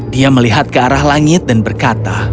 dia melihat ke arah langit dan berkata